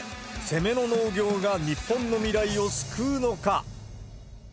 攻めの農業が日本の未来を救うのか。